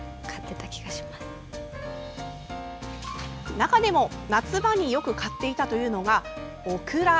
中でも、夏場によく買っていたというのがオクラ。